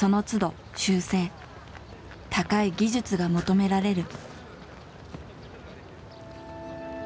高い技術が求められる。